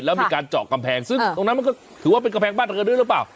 แล้วมีการเจาะกำแพงซึ่งตรงนั้นมันก็ถือว่าเป็นกำแพงบ้านเรือนด้วยหรือเปล่า